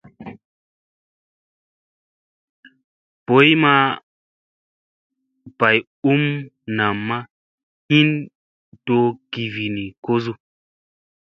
Boy ma bay um namma hin do kivini kosu.